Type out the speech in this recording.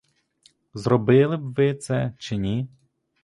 Зробили б ви це, чи ні?